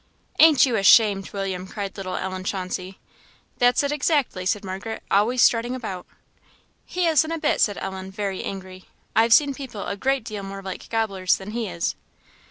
"Ain't you ashamed, William!" cried little Ellen Chauncey. "That's it exactly," said Margaret "always strutting about." "He isn't a bit," said Ellen, very angry; "I've seen people a great deal more like gobblers than he is."